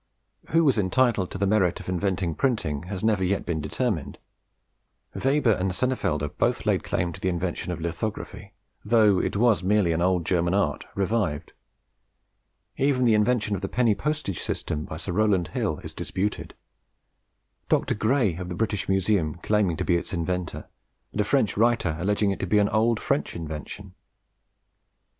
Who was entitled to the merit of inventing printing has never yet been determined. Weber and Senefelder both laid claim to the invention of lithography, though it was merely an old German art revived. Even the invention of the penny postage system by Sir Rowland Hill is disputed; Dr. Gray of the British Museum claiming to be its inventor, and a French writer alleging it to be an old French invention.